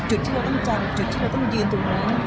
จุดที่เราต้องจำจุดที่เราต้องยืนตรงนั้น